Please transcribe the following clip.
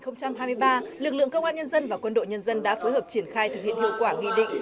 năm hai nghìn hai mươi ba lực lượng công an nhân dân và quân đội nhân dân đã phối hợp triển khai thực hiện hiệu quả nghị định